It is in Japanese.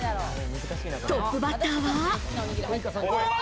トップバッターは。